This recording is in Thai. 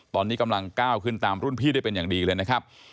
ตอนนี้กำลังก้าวขึ้นตามรุ่นพี่ได้เป็นอย่างดีเลยนะครับ